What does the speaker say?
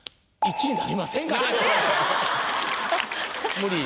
無理？